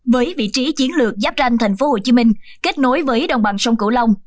với vị trí chiến lược giáp ranh thành phố hồ chí minh kết nối với đồng bằng sông cổ long